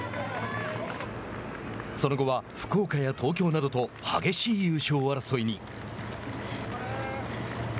その後は、福岡や東京などと激しい優勝争いに。